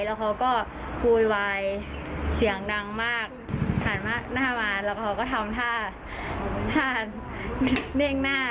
แล้วเขาก็โวยวายเสียงดังมากหันมาหน้าร้านแล้วเขาก็ทำท่าท่าเด้งหน้า